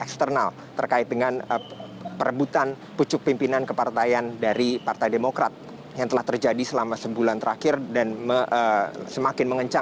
selamat malam eva